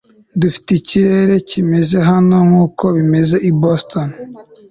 Dufite ikirere kimeze hano nkuko bimeze i Boston